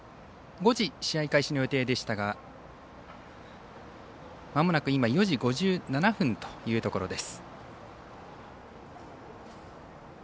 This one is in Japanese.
５時試合開始の予定でしたが間もなく４時５７分というところです。